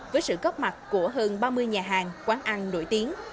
với sự góp mặt của hơn ba mươi nhà hàng quán ăn nổi tiếng